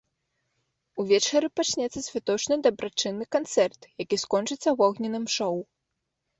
Увечары пачнецца святочны дабрачынны канцэрт, які скончыцца вогненным шоў.